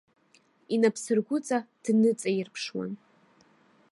Инапсыргәыҵа дныҵаирԥшуан.